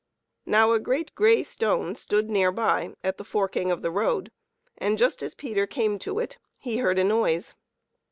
Now, a great gray stone stood near by at the forking of the road, and just as Peter came to it he heard a noise.